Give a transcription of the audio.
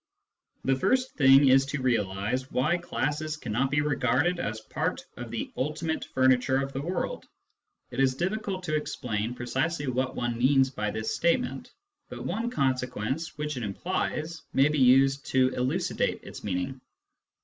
The first thing is to realise why classes cannot be regarded as part of the ultimate furniture of the world. It is difficult to explain precisely what one means by this statement, but one consequence which it implies may be used to elucidate its meaning.